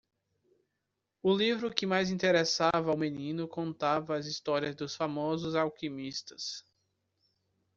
O livro que mais interessava ao menino contava as histórias dos famosos alquimistas.